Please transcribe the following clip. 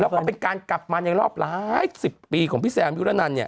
แล้วก็เป็นการกลับมาในรอบหลายสิบปีของพี่แซมยุรนันเนี่ย